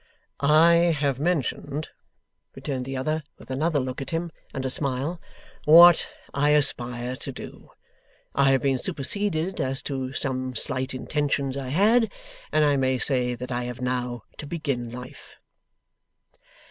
'I have mentioned,' returned the other, with another look at him, and a smile, 'what I aspire to do. I have been superseded as to some slight intentions I had, and I may say that I have now to begin life.